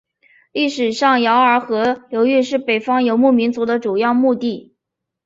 历史上洮儿河流域是北方游牧民族的主要牧地。